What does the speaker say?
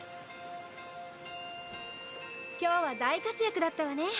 今日は大活躍だったわね。